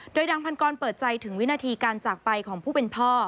โดยนางพันกรเปิดใจถึงวินาทีการจากไปของผู้เป็นพ่อ